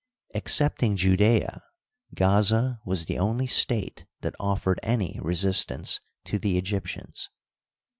Excepting Judea, Gaza was the only state that offered any resistance to the Egyptians.